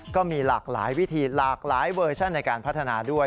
ก็มีหลากหลายวิธีหลากหลายเวอร์ชั่นในการพัฒนาด้วย